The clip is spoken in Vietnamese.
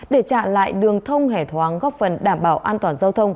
để trả lại đường thông hẻ thoáng góp phần đảm bảo an toàn giao thông